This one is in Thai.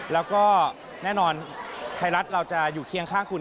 แล้วก็แน่นอนไทยรัฐเราจะอยู่เคียงข้างคุณ